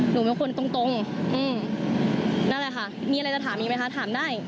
หนูเป็นคนตรงนั่นแหละค่ะมีอะไรจะถามอีกไหมคะถามได้